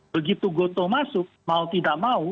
begitu gotoh masuk mau tidak mau